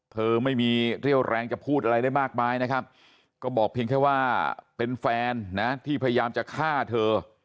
เธอไม่มีเรี่ยวแรงจะพูดอะไรได้มากมายนะครับก็บอกเพียงแค่ว่าเป็นแฟนนะที่พยายามจะฆ่าเธอ